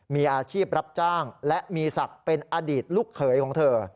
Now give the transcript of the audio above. มีอาชีพรับจ้างและมีศักดิ์เป็นอดีตลูกเขยของเธอ